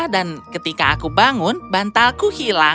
dan ketika aku bangun bantalku hilang